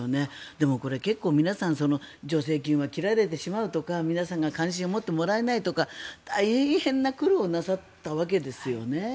でも、これ皆さん助成金が切られてしまうとか皆さんに関心を持ってもらえないとか大変な苦労をなさったわけですよね。